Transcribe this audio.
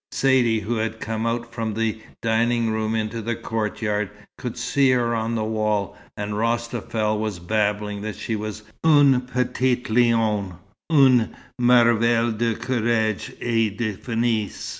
Saidee, who had come out from the dining room into the courtyard, could see her on the wall, and Rostafel was babbling that she was "une petite lionne, une merveille de courage et de finesse."